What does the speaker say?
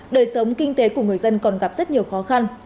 đời sống kinh tế của người dân còn gặp rất nhiều khó khăn